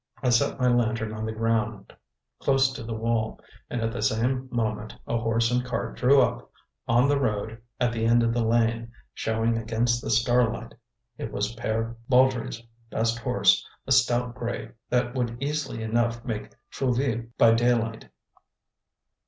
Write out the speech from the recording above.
I set my lantern on the ground close to the wall, and at the same moment a horse and cart drew up on the road at the end of the lane, showing against the starlight. It was Pere Baudry's best horse, a stout gray, that would easily enough make Trouville by daylight.